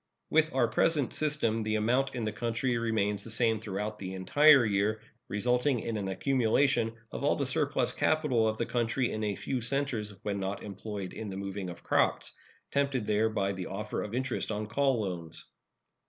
With our present system the amount in the country remains the same throughout the entire year, resulting in an accumulation of all the surplus capital of the country in a few centers when not employed in the moving of crops, tempted there by the offer of interest on call loans.